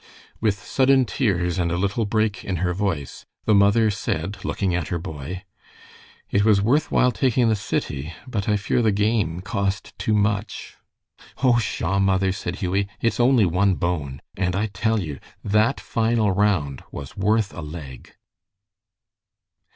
With sudden tears and a little break in her voice, the mother said, looking at her boy, "It was worth while taking the city, but I fear the game cost too much." "Oh, pshaw, mother," said Hughie, "it's only one bone, and I tell you that final round was worth a leg."